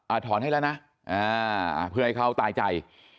ถอนให้แล้วนะอ่าเพื่อให้เขาตายใจ